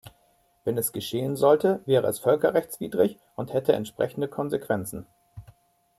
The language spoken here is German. Wenn es geschehen sollte, wäre es völkerrechtswidrig und hätte entsprechende Konsequenzen.